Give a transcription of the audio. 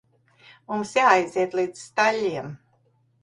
Mums jāaiziet līdz staļļiem.